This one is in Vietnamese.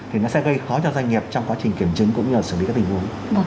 thì nó sẽ gây khó cho doanh nghiệp trong quá trình kiểm chứng cũng như là xử lý các tình huống